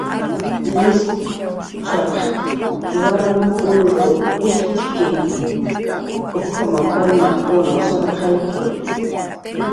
Wiskachaq warmkunmn wijtxki karmajamanmna, sarqaykiwa.